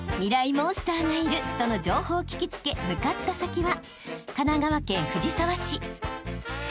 モンスターがいるとの情報を聞き付け向かった先は］